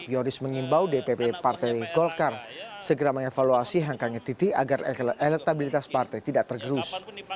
yoris mengimbau dpp partai golkar segera mengevaluasi hengkangnya titi agar elektabilitas partai tidak tergerus